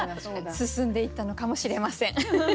進んでいったのかもしれません。